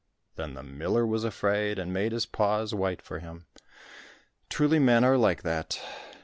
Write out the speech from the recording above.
Then the miller was afraid, and made his paws white for him. Truly men are like that.